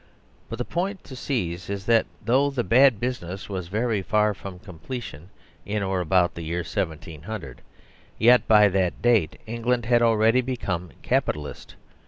But the point to seize is that, though the bad business was very far from completion in or about the year 1700, yet by that date England had already become CAPI TALIST.